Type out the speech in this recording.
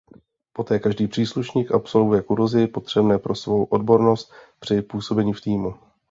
Poté každý příslušník absolvuje kurzy potřebné pro svou odbornost při působení v týmu.